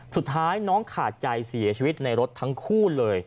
สุดท้ายน้องขาดใจเสียชีวิตในรถทั้งคู่เลย